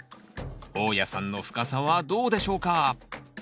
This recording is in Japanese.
大家さんの深さはどうでしょうか？